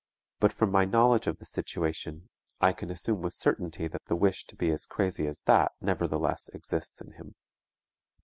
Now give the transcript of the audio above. But from my knowledge of the situation I can assume with certainty that the wish to be as crazy as that nevertheless exists in him.